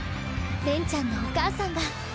恋ちゃんのお母さんが。